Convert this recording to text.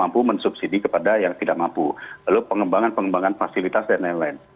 many many subsidi kepada yang tidak mampu lalu pengembangan pengembangan fasilitas dan lain lain